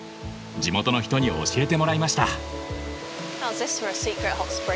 地元の人に教えてもらいました。